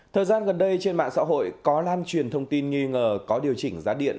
thời gian gần đây trên mạng xã hội có lan truyền thông tin nghi ngờ có điều chỉnh giá điện